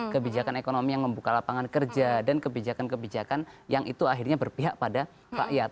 kebijakan ekonomi yang membuka lapangan kerja dan kebijakan kebijakan yang itu akhirnya berpihak pada rakyat